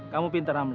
kamu pinter amli